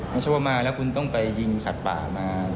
ไม่ใช่ว่ามาแล้วคุณต้องไปยิงสัตว์ป่ามา